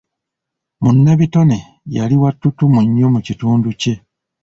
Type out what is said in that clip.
Munnabitone yali wa ttutumu nnyo mu kitundu kye.